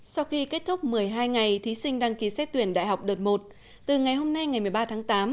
sau khi kết thúc một mươi hai ngày thí sinh đăng ký xét tuyển đại học đợt một từ ngày hôm nay ngày một mươi ba tháng tám